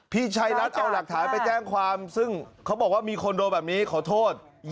พี่ชัยรัฐเอาหลักฐานไปแจ้งความซึ่งเขาบอกว่ามีคนโดนแบบนี้ขอโทษ